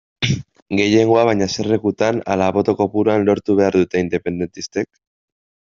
Gehiengoa baina, eserlekutan ala boto kopuruan lortu behar dute independentistek?